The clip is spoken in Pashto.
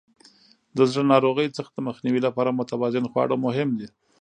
د زړه ناروغیو څخه د مخنیوي لپاره متوازن خواړه مهم دي.